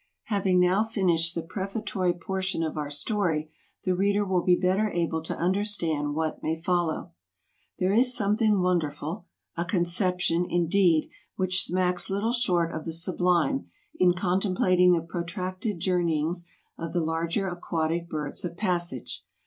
Having now finished the prefatory portion of our story, the reader will be better able to understand what may follow. There is something wonderful, a conception, indeed, which smacks little short of the sublime in contemplating the protracted journeyings of the larger aquatic birds of passage.